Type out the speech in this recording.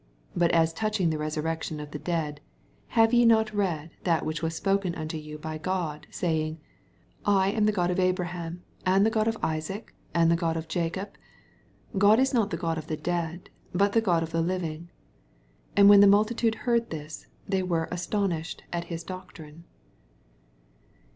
81 But at touching the resurrection of the dead, have ye not read that which was spoken unto yon by God, saying, 82 1 am the God of Abraham, and the God of Isaac, and the God of Jacob? God is not the Qod of the dead, but of the living. 88 And when the multitude heard thi$f they were astonished at his doo trine.